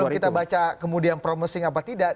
kalau kita baca kemudian promising apa tidak